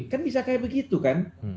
kan bisa kayak begitu kan